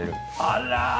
あら。